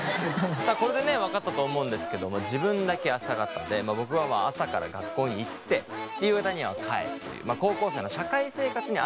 さあこれでね分かったと思うんですけども自分だけ朝型で僕はまあ朝から学校に行って夕方には帰るという高校生の社会生活に合ったタイプ。